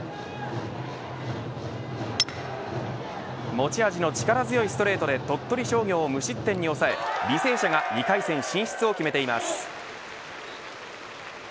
持ち味の力強いストレートで鳥取商業を無失点に抑え履正社が２回戦進出を決めています。